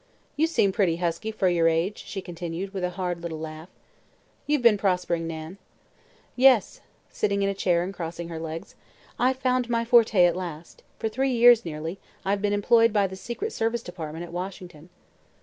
"You seem pretty husky, for your age," she continued, with a hard little laugh. "You've been prospering, Nan." "Yes," sitting in a chair and crossing her legs, "I've found my forte at last. For three years, nearly, I've been employed by the Secret Service Department at Washington."